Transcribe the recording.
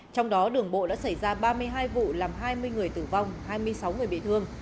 trong đó đường bộ đã xảy ra ba mươi hai vụ làm hai mươi người tử vong hai mươi sáu người bị thương